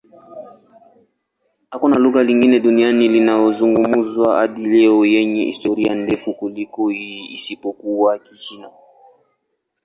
Hakuna lugha nyingine duniani inayozungumzwa hadi leo yenye historia ndefu kuliko hii, isipokuwa Kichina.